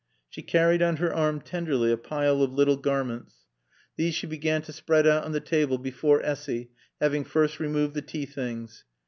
She carried on her arm tenderly a pile of little garments. These she began to spread out on the table before Essy, having first removed the tea things.